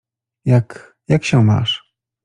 — Jak… jak się masz?